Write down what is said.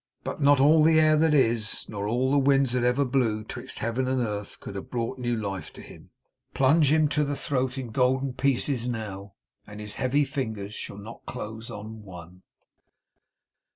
But not all the air that is, nor all the winds that ever blew 'twixt Heaven and Earth, could have brought new life to him. Plunge him to the throat in golden pieces now, and his heavy fingers shall not close on one!